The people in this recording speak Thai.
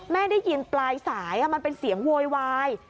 ได้ยินปลายสายมันเป็นเสียงโวยวาย